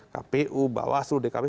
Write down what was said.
kpu mbak waslu dkp